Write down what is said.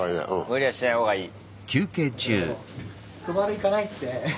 無理はしないほうがいい。